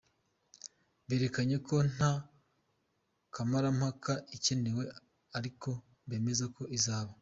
Berekanye ko nta Kamarampaka ikenewe ariko bemeza ko izaba.